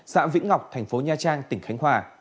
dạng vĩnh ngọc tp nha trang tỉnh khánh hòa